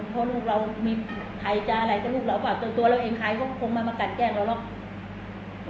เพราะลูกเรามีใครจะอะไรกับลูกเราเปล่าส่วนตัวเราเองใครก็คงไม่มากัดแกล้งเราหรอก